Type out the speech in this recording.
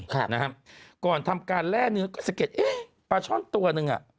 ครับนะฮะก่อนทำการแร่เนื้อก็สะเก็ดเอ๊ะปลาช่อนตัวหนึ่งอ่ะ